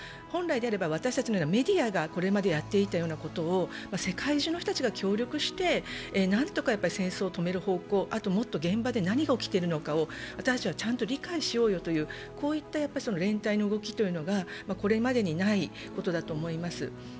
本来であれば、メディアがこれまでやっていたようなことを世界中の人たちが協力して、何とか戦争を止める方向、あと現場で何が起きてるのかを私たちはちゃんと理解しようよという連帯の動きというのがこれまでにないことだと思います。